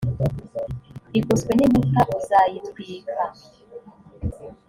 igoswe n inkuta uzayitwika